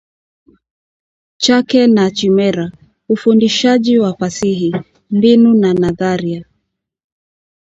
chake na Chimerah; Ufundishaji wa Fasihi: Mbinu na Nadharia